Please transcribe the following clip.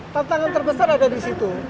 tantangan terbesar ada di situ